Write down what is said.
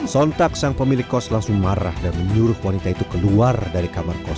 sontak sang pemilik kos langsung marah dan menyuruh wanita itu keluar dari kamar kos